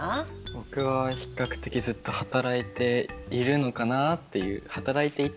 僕は比較的ずっと働いているのかなっていう働いていたいなって思ってます。